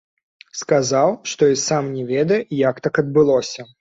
Сказаў, што і сам не ведае, як так адбылося.